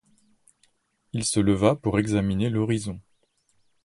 Il se leva pour examiner l’horizon.